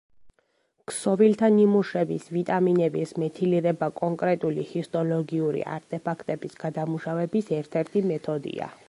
ქსოვილთა ნიმუშების ვიტამინების მეთილირება კონკრეტული ჰისტოლოგიური არტეფაქტების გადამუშავების ერთ-ერთი მეთოდია.